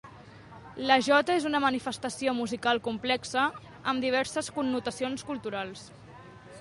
La jota és una manifestació musical complexa, amb diverses connotacions culturals.